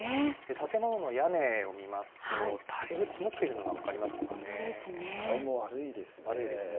建物の屋根を見ますと、だいぶ積もっているのが分かりますね。